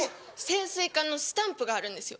潜水艦のスタンプがあるんですよ。